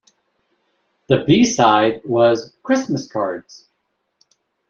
The B-side was "Christmas Cards".